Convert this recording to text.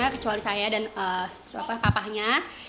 kecuali saya dan papahnya